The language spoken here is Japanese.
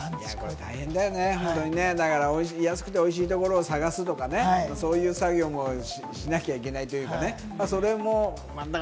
大変だよね。安くておいしいところを探すとか、そういう作業もしなきゃいけないというかね。